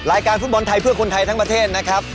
รายการฟุตบอลไทยเพื่อคนไทยทั้งประเทศนะครับ